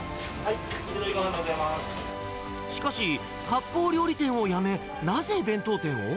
しかし、かっぽう料理店を辞め、なぜ弁当店を？